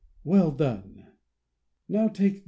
"Well done ! Now take this.